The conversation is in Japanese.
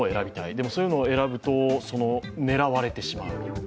でもそういうのを選ぶと狙われてしまう。